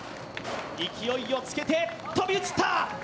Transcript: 勢いをつけて飛び移った。